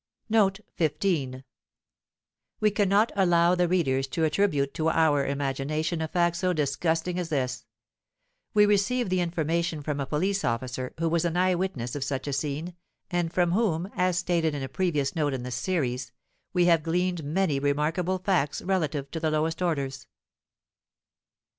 Footnote 15: We cannot allow the readers to attribute to our imagination a fact so disgusting as this. We received the information from a police officer who was an eye witness of such a scene, and from whom (as stated in a previous note in this Series) we have gleaned many remarkable facts relative to the lowest orders.